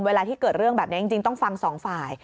เวลาที่เกิดเรื่องแบบนี้จริงต้องฟังสองฝ่าย